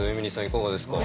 いかがですか？